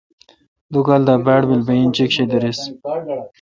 دو کال دا باڑ بیل بہ انچیک شی دریس۔